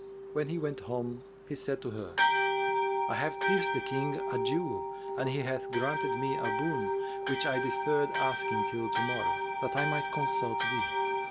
When he went home, he said to her, 'I have pierced the King a jewel and he hath granted me a boon which I deferred asking till to morrow, that I might consult thee.